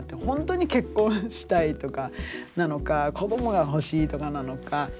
ほんとに結婚したいとかなのか子どもが欲しいとかなのか。